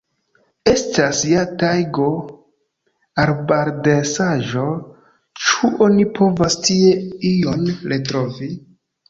Estas ja tajgo, arbardensaĵo, ĉu oni povas tie ion retrovi?